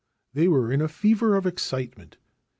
They were in a fever of excitement.